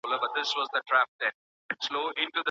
ایا تکړه پلورونکي انځر صادروي؟